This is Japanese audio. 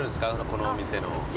このお店の。